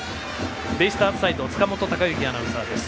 ベイスターズサイド塚本貴之アナウンサーです。